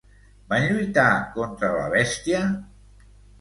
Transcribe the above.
Van lluitar contra la bèstia?